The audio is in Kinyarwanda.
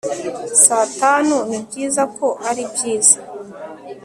saa tanu, nibyiza ko aribyiza